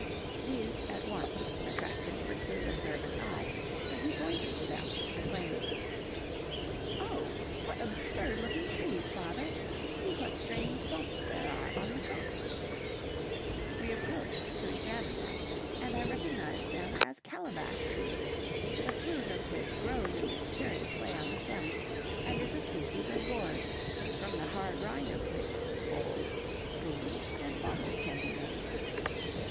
These at once attracted Fritz's observant eye, and he pointed, to them, exclaiming, "Oh, what absurd looking trees, father! See what strange bumps there are on the trunks." We approached to examine them, and I recognized them as calabash trees, the fruit of which grows in this curious way on the stems, and is a species of gourd, from the hard rind of which bowls, spoons, and bottles can be made.